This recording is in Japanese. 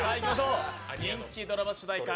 人気ドラマ主題歌